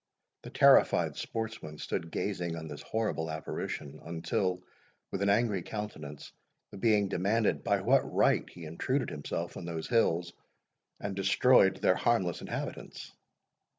The terrified sportsman stood gazing on this horrible apparition, until, with an angry countenance, the being demanded by what right he intruded himself on those hills, and destroyed their harmless inhabitants.